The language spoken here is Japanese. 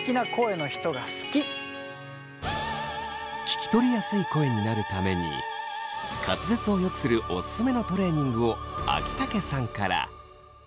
聞き取りやすい声になるために滑舌をよくするオススメのトレーニングを秋竹さんから。